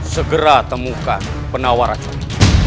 segera temukan penawar racun